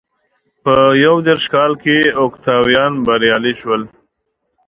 په یو دېرش کال کې اوکتاویان بریالی شو.